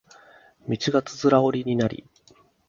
道がつづら折りになり